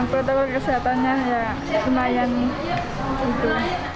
sepertinya semuanya semuanya